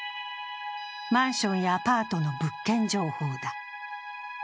マンションやアパートの物件情報だ。